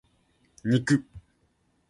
肉